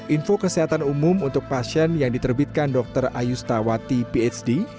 info kesehatan umum untuk pasien yang diterbitkan dr ayustawati phd